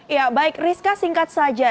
ya baik rizka singkat saja